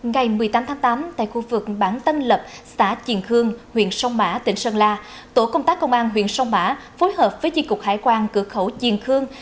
ngày một mươi tám tháng tám tại khu vực bản tân lập xã triền khương huyện sông mã tỉnh sơn la tổ công tác công an huyện sông mã phối hợp với chi cục hải quan cửa khẩu chiền khương